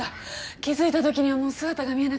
気づいた時にはもう姿が見えなくて。